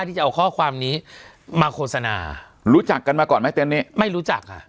ที่จะเอาข้อความนี้มาโฆษณารู้จักกันมาก่อนไหมตอนนี้ไม่รู้จักค่ะ